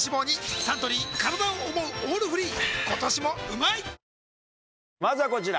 まずはこちら。